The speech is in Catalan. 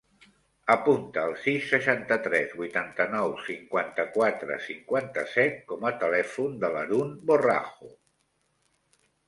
Apunta el sis, seixanta-tres, vuitanta-nou, cinquanta-quatre, cinquanta-set com a telèfon de l'Haroun Borrajo.